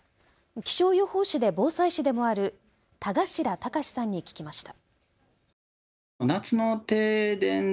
気象予報士で防災士でもある田頭孝志さんに聞きました。